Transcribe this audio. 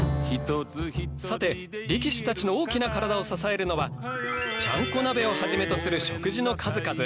さて力士たちの大きな体を支えるのはちゃんこ鍋をはじめとする食事の数々。